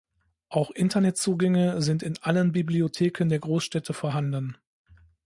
Auch Internetzugänge sind in allen Bibliotheken der Großstädte vorhanden.